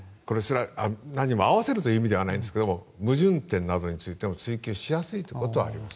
何も、合わせるという意味ではないんですが矛盾点などについて追及しやすいことはあります。